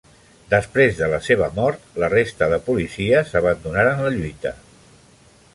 Després de la seva mort, la resta de policies abandonaren la lluita.